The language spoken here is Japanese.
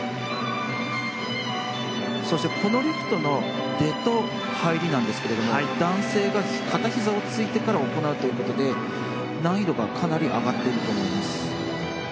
そしてこのリフトの出と入りなんですけれども男性が片ひざをついてから行うという事で難易度がかなり上がっていると思います。